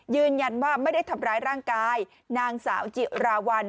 ยืนยันว่าไม่ได้ทำร้ายร่างกายนางสาวจิราวัล